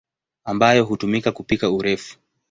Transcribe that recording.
ambayo hutumika kupika urefu.